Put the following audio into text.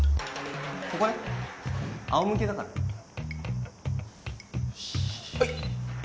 ここねあおむけだからよしＡ